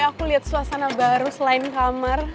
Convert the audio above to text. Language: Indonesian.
aku lihat suasana baru selain kamar